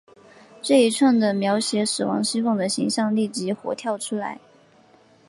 这一串的描写使王熙凤的形象立即活跳出来。